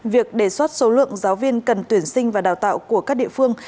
việc đề xuất số lượng giáo viên cần tuyển sinh và đào tạo của các địa phương